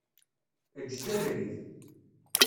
Eǧǧ-d abrid!